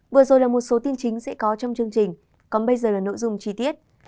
vừa rồi là một số tin chính sẽ có trong chương trình còn bây giờ là nội dung chi tiết